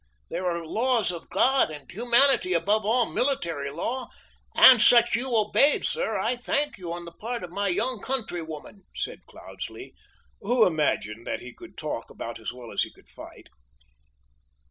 There are laws of God and humanity above all military law, and such you obeyed, sir! I thank you on the part of my young countrywoman," said Cloudesley, who imagined that he could talk about as well as he could fight.